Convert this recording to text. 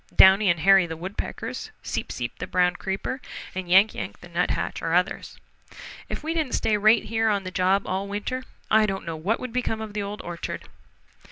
Downy and Hairy the Woodpeckers, Seep Seep the Brown Creeper and Yank Yank the Nuthatch are others. If we didn't stay right here on the job all winter, I don't know what would become of the Old Orchard."